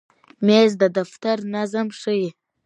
مېز د دفتر نظم ښیي.